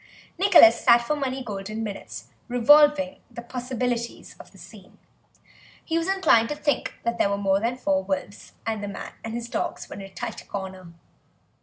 Nicholas sat for many golden minutes revolving the possibilities of the scene; he was inclined to think that there were more than four wolves and that the man and his dogs were in a tight corner.